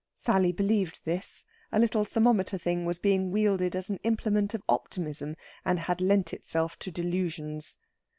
Sally believed this; a little thermometer thing was being wielded as an implement of optimism, and had lent itself to delusions.